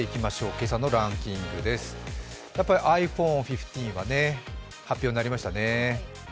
今朝のランキングです、ｉＰｈｏｎｅ１５が発表になりましたね。